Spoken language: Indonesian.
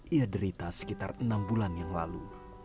ia derita sekitar enam bulan yang lalu